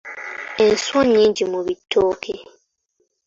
Enswa nnyingi mu bitooke.